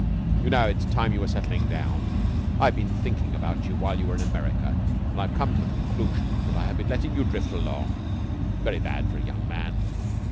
You know, it's time you were settling down. I've been thinking about you while you were in America, and I've come to the conclusion that I've been letting you drift along. Very bad for a young man.